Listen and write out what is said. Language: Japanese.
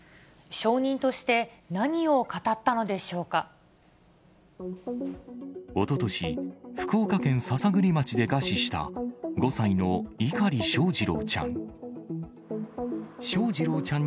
証人として何を語ったのでしおととし、福岡県篠栗町で餓死した５歳の碇翔士郎ちゃん。